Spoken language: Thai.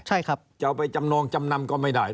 จะเอาไปจำนองจำนำก็ไม่ได้